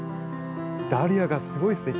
ダリアがすごいすてき。